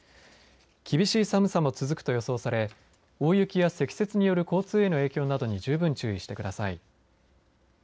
厳しい寒さも続くと予想され大雪や積雪による交通への影響などに十分注意してください。